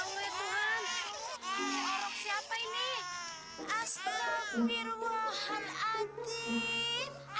ngomong kayak pantau tubuh itu